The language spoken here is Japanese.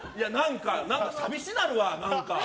何か寂しなるわ。